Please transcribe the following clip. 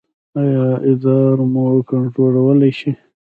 ایا ادرار مو کنټرولولی شئ؟